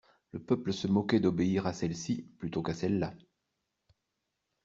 Le peuple se moquait d'obéir à celle-ci plutôt qu'à celle-là.